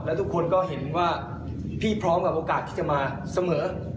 แล้วทุกคนก็เห็นว่าพี่พร้อมกับโอกาสที่จะมาเสมอ